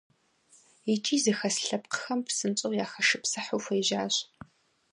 ИкӀи зыхэс лъэпкъхэм псынщӏэу яхэшыпсыхьу хуежьащ.